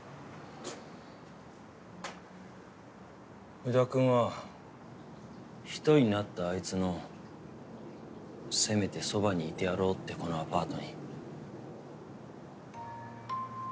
宇田くんは１人になったあいつのせめてそばにいてやろうってこのアパートに。